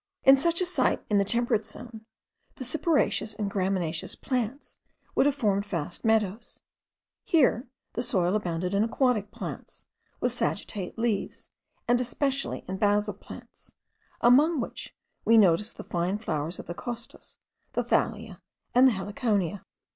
In such a site in the temperate zone, the cyperaceous and gramineous plants would have formed vast meadows; here the soil abounded in aquatic plants, with sagittate leaves, and especially in basil plants, among which we noticed the fine flowers of the costus, the thalia, and the heliconia.